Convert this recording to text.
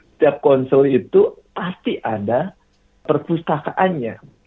setiap konsel itu pasti ada perpustakaannya